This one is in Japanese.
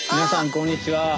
こんにちは。